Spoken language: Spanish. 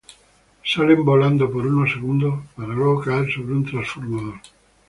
Salen volando por unos segundos… para luego caer sobre un transformador.